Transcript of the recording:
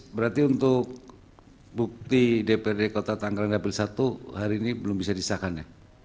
berarti untuk bukti dprd kota tangkara nabil satu hari ini belum bisa disahkannya